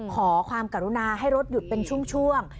ขอความกรุณาให้รถหยุดเป็นช่วง